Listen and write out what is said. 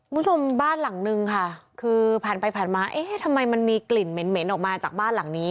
คุณผู้ชมบ้านหลังนึงค่ะคือผ่านไปผ่านมาเอ๊ะทำไมมันมีกลิ่นเหม็นออกมาจากบ้านหลังนี้